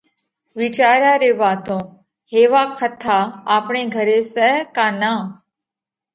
وِيچاريا ري واتون هيوا کٿا آپڻي گھري سئہ ڪا نان؟